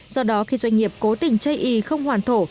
do đó khi doanh nghiệp cố tình chây y không hoàn thổ